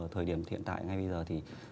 thời điểm hiện tại ngay bây giờ thì